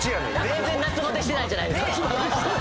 全然夏バテしてないじゃないですか。